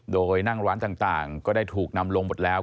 โดยนั่งร้านต่างก็ได้ถูกนำลงหมดแล้ว